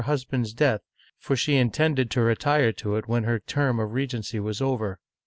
(1610 1643) , 311 husband's death, for she intended to retire to it when her term of regency was over.